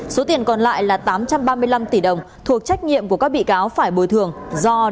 số tiền còn lại là tám trăm ba mươi năm tỷ đồng thuộc trách nhiệm của các bị cáo phải bồi thường do đã có lỗi cố ý